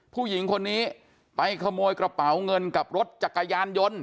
ผู้หญิงคนนี้ไปขโมยกระเป๋าเงินกับรถจักรยานยนต์